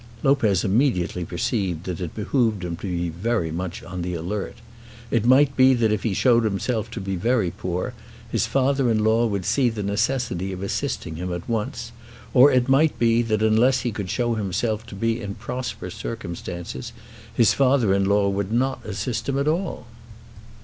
Lopez immediately perceived that it behoved him to be very much on the alert. It might be that if he showed himself to be very poor, his father in law would see the necessity of assisting him at once; or, it might be, that unless he could show himself to be in prosperous circumstances, his father in law would not assist him at all.